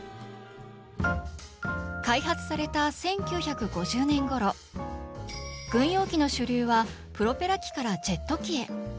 開発された１９５０年ごろ軍用機の主流はプロペラ機からジェット機へ。